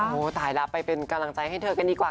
โอ้โหตายละไปเป็นกำลังใจให้เธอกันดีกว่า